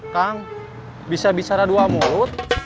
kang bisa bicara dua mulut